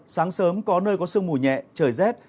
sáng sớm có nơi có sương mù nhẹ trời rét